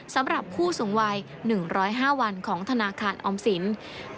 สำหรับผู้สูงวัย๑๐๕วันของธนาคารออมสิน